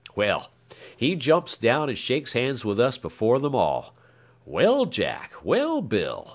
Well, he jumps down and shakes hands with us before them all. 'Well, Jack! Well, Bill!'